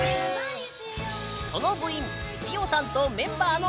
その部員りおさんとメンバーの皆さん！